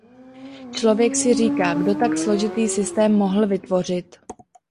Člověk si říká, kdo tak složitý systém mohl vytvořit.